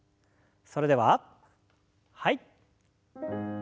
それでははい。